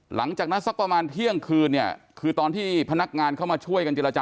หลังจากนั้นสักประมาณเที่ยงคืนเนี่ยคือตอนที่พนักงานเข้ามาช่วยกันเจรจา